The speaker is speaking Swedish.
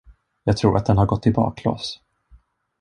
Jag tror att den har gått i baklås.